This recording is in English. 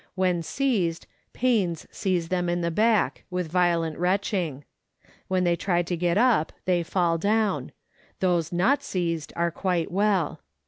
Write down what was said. When seized, pains seize them in the back, with violent retching. When they try to get up they fall down; those not seized are quite well.